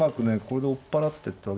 これで追っ払ってった。